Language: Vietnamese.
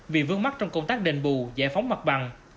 vì vương mắc trong công tác đền bù giải phóng mặt bằng